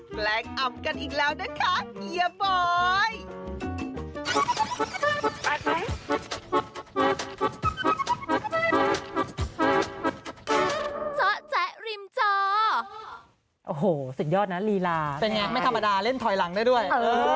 แกล้งอำกันอีกแล้วนะคะเฮียบอย